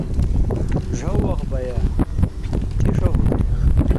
ڙھؤ وخت بئ یا چِݜہ ہُوتُھو